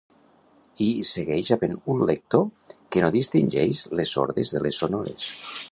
I hi segueix havent un lector que no distingeix les sordes de les sonores